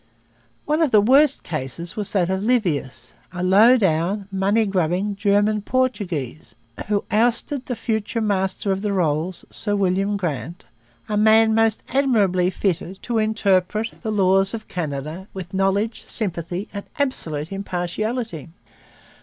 One of the worst cases was that of Livius, a low down, money grubbing German Portuguese, who ousted the future Master of the Rolls; Sir William Grant, a man most admirably fitted to interpret the laws of Canada with knowledge, sympathy, and absolute impartiality.